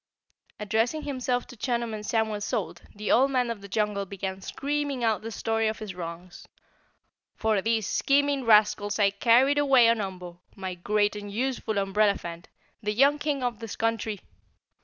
Addressing himself to Chunum and Samuel Salt, the Old Man of the Jungle began screaming out the story of his wrongs. "For these scheming rascals I carried away on Umbo, my great and useful umbrellaphant, the young King of this country.